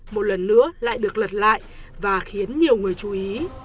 một lần nữa lại được lật lại và khiến nhiều người chú ý